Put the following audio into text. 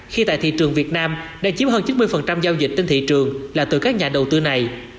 khi tại thị trường việt nam đã chiếm hơn chín mươi giao dịch trên thị trường là từ các nhà đầu tư này